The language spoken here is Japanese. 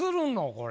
これ。